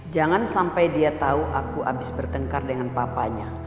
jangan sampai dia tahu aku abis bertengkar dengan papanya